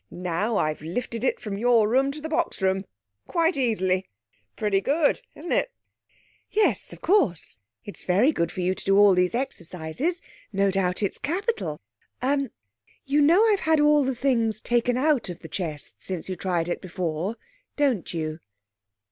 Now I've lifted it from your room to the box room. Quite easily. Pretty good, isn't it?' 'Yes, of course it's very good for you to do all these exercises; no doubt it's capital.... Er you know I've had all the things taken out of the chest since you tried it before, don't you?'